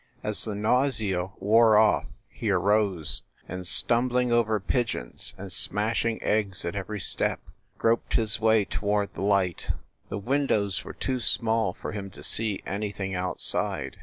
As the nau THE LIARS CLUB 53 sea wore off he arose and, stumbling over pigeons and smashing eggs at every step, groped his way toward the light The windows were too small for him to see anything outside.